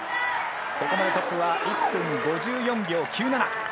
ここまでトップは１分５４秒９７。